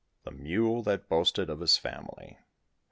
THE MULE THAT BOASTED OF HIS FAMILY.